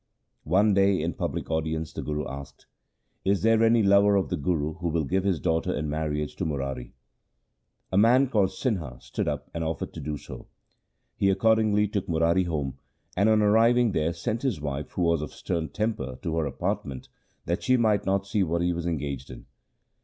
One day in public audience the Guru asked, ' Is there any lover of the Guru who will give his daughter in marriage to Murari ?' A man called Sinha stood up and offered to do so. He accordingly took Murari home, and on arriving there sent his wife, who was of stern temper, to her apartment, that she might not see what he was engaged in.